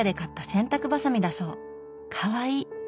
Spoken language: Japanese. かわいい。